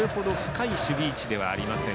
外野はそれ程深い守備位置ではありません。